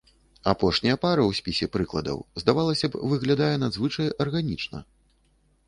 Апошняя пара ў спісе прыкладаў, здавалася б, выглядае надзвычай арганічна.